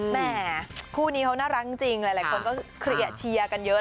แม่คู่นี้เขาน่ารักจริงหลายคนก็เชียร์กันเยอะ